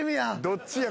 どっちや？